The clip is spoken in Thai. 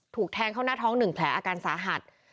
ถูกแทงเข้าหน้าท้อง๑แผลอาการสาหัส